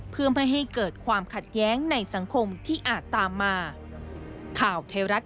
เพื่อไม่ให้เกิดความขัดแย้งในสังคมที่อาจตามมา